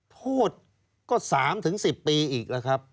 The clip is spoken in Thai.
โทษก็๓๑๐ปีอีกแล้วครับ